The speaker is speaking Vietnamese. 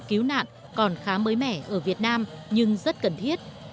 cứu nạn còn khá mới mẻ ở việt nam nhưng rất cần thiết